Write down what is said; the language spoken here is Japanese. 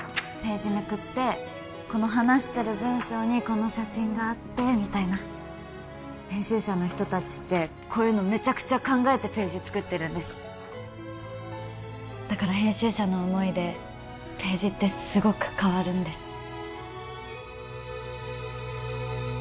ページめくってこの話してる文章にこの写真があってみたいな編集者の人達ってこういうのメチャクチャ考えてページ作ってるんですだから編集者の思いでページってすごく変わるんです